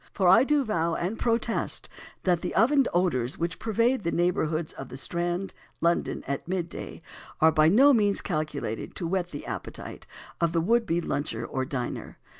For I do vow and protest that the oven odours which pervade the neighbourhood of the Strand, London, at midday, are by no means calculated to whet the appetite of the would be luncher or diner.